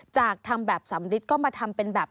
จากทำแบบสำริดก็มาทำเป็นแบบ